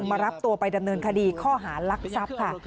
มารับตัวไปดำเนินคดีข้อหารักทรัพย์ค่ะ